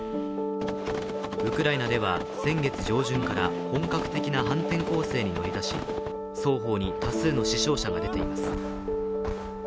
ウクライナでは先月上旬から本格的な反転攻勢に乗り出し、双方に多数の死傷者が出ています。